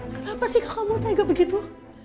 kenapa sih kakakmu tega begitu